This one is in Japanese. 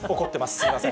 すみません。